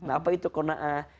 apa itu qona'ah